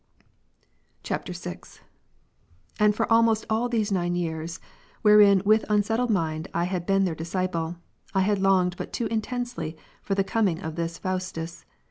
[VI.] 10. And for almost all those nine years, wherein with unsettled mind I had been their disciple,! had longed buttoo intensely for the coming of this Faustus.